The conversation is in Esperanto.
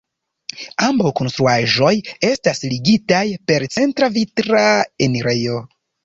Ambaŭ konstruaĵoj estas ligitaj per centra vitra enirejo.